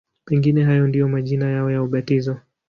Pengine hayo ndiyo majina yao ya ubatizo.